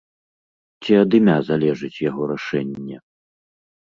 Ці ад імя залежыць яго рашэнне?